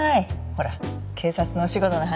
ほら警察のお仕事の話。